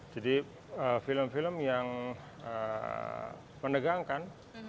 jadi film film yang menegangkan